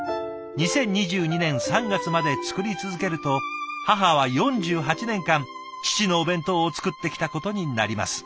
２０２２年３月まで作り続けると母は４８年間父のお弁当を作ってきたことになります」。